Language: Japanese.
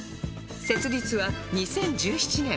設立は２０１７年